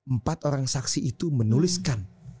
empat orang saksi itu menuliskan